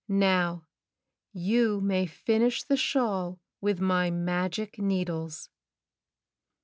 Now, you may finish the shawl with my magic needles."